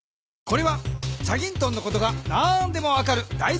これは『チャギントン』のことが何でも分かるだい